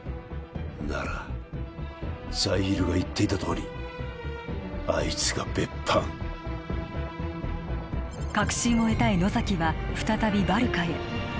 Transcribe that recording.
ならザイールが言っていたとおりあいつが別班確信を得たい野崎は再びバルカへ